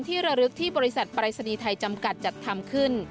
ระลึกที่บริษัทปรายศนีย์ไทยจำกัดจัดทำขึ้น